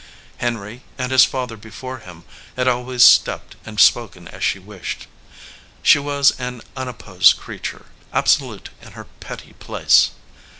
Henry, and his father before him, had always stepped and spoken as she wished. She was an unopposed crea ture, absolute in her petty place.